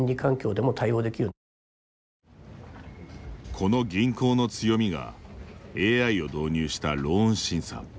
この銀行の強みがＡＩを導入したローン審査。